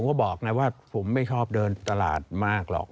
อ้าวแล้วทำไมถ้ามาทำธุรกิจนี้เราคนไม่ชอบ